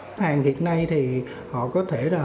khách hàng hiện nay thì họ có thể là